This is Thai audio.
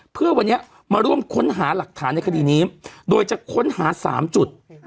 เพื่อวันนี้มาร่วมค้นหาหลักฐานในคดีนี้โดยจะค้นหา๓จุด